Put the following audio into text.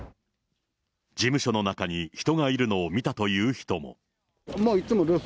事務所の中に人がいるのを見たという人も。